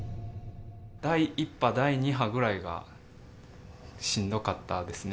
第１波、第２波ぐらいがしんどかったですね。